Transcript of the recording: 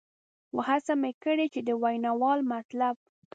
خو هڅه مې کړې چې د ویناوال مطلب.